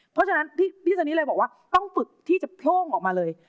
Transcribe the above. เพราะฉะนั้นพี่สนิเลยบอกว่าต้องฝึกที่จะโพร่งออกมาเลย